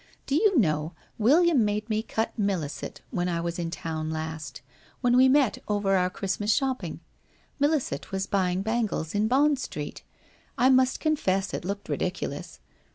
Do you know William made me cut Milliset when I was in town last, when we met over our Christmas shopping. Milliset was buying bangles in Bond Street. I must confess it looked ridicu lous.